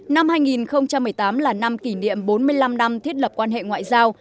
năm hai nghìn một mươi tám là năm kỷ niệm bốn mươi năm năm thiết lập quan hệ ngoại giao